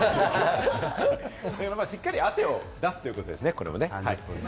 しっかり汗を出すということ運動ですね。